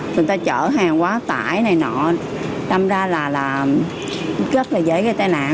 người ta chở hàng quá tải này nọ đâm ra là rất là dễ gây tai nạn